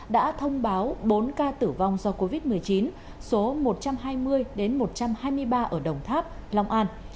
đã thông báo bốn ca tử vong do covid một mươi chín số một trăm hai mươi một trăm hai mươi ba ở đồng tháp long an